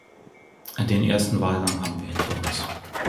Den ersten Wahlgang haben wir hinter uns.